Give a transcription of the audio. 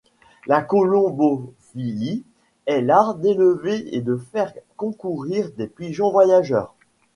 La colombophilie est l'art d'élever et de faire concourir les pigeons voyageurs.